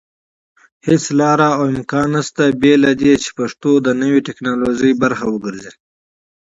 هيڅ لاره او امکان نشته بېله دې چې پښتو د نوي ټيکنالوژي پرخه وګرځي